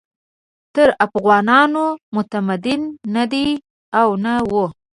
تر افغانانو متمدن نه دي او نه وو.